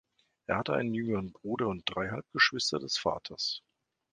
Er hatte einen jüngeren Bruder und drei Halbgeschwister des Vaters.